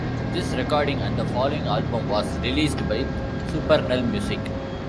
This recording and the following album was released by Supernal Music.